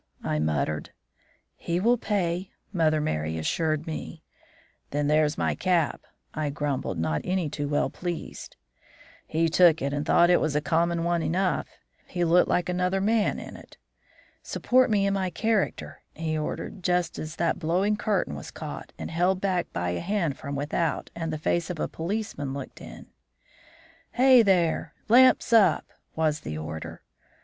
I muttered. "'He will pay,' Mother Merry assured me. "'Then here's my cap,' I grumbled, not any too well pleased. "He took it, and though it was a common one enough, he looked like another man in it. "'Support me in my character!' he ordered, just as that blowing curtain was caught and held back by a hand from without and the face of a policeman looked in. "'Hey, there! lamps up!' was the order.